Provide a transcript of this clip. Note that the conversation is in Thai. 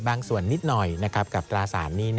ส่วนนิดหน่อยกับตราสารนี้